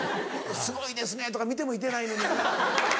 「すごいですね」とか見てもいてないのにやな。